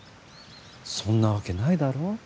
そんなわけないだろ？